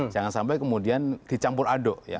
jangan sampai kemudian dicampur aduk ya